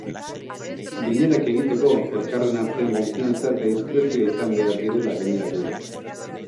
Bilerak egiteko, elkarren artean konfiantza eta diskrezioa izan behar direla gaineratu du.